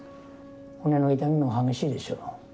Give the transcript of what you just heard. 骨の痛みも激しいでしょう。